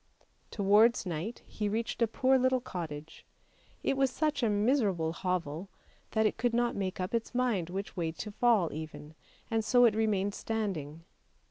Towards night he reached a poor little cottage; it was such a miserable hovel that it could not make up its mind which way to fall even, and so it remained standing.